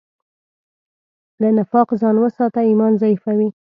له نفاقه ځان وساته، ایمان ضعیفوي.